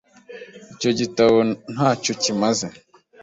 Icyo gitabo ntacyo kimaze .